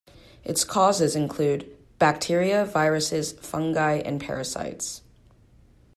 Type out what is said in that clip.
Its causes include bacteria, viruses, fungi and parasites.